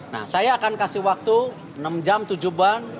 nah saya akan kasih waktu enam jam tujuh jam